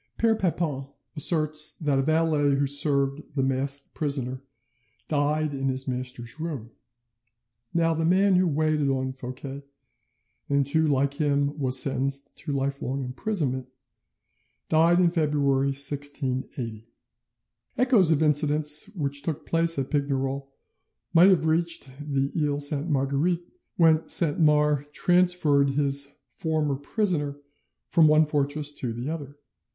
Pere Papon asserts that a valet who served the masked prisoner died in his master's room. Now the man who waited on Fouquet, and who like him was sentenced to lifelong imprisonment, died in February 1680 (see letter of Louvois to Saint Mars, 12th March 1680). Echoes of incidents which took place at Pignerol might have reached the Iles Sainte Marguerite when Saint Mars transferred his "former prisoner" from one fortress to the other.